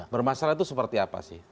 bermasalah itu seperti apa sih